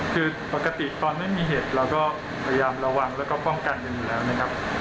คือปกติตอนไม่มีเหตุเราก็พยายามระวังแล้วก็ป้องกันกันอยู่แล้วนะครับ